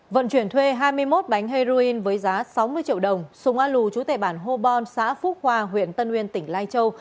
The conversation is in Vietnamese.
vận chuyển thuê hai mươi một bánh heroin với giá sáu mươi triệu đồng sùng a lù chú tệ bản hô bon xã phúc khoa huyện tân uyên tỉnh lai châu